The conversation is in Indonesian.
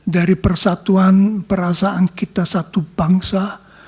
dari persatuan perasaan kita satu bangsa